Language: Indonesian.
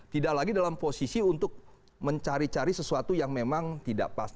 tidak lagi dalam posisi untuk mencari cari sesuatu yang memang tidak pas